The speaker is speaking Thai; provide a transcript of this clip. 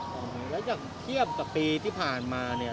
แล้วอย่างเทียบกับปีที่ผ่านมาเนี่ย